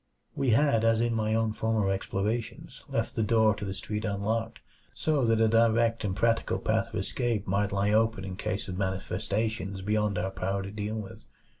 We had, as in my own former explorations, left the door to the street unlocked; so that a direct and practical path of escape might lie open in case of manifestations beyond our power to deal with.